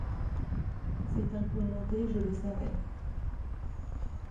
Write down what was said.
C’est un coup monté, je le savais.